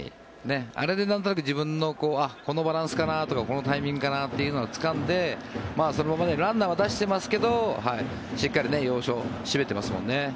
あれで、なんとなくこのバランスかなというのとかこのタイミングかなというのをつかんでランナーは出してますけどしっかり要所締めてますもんね。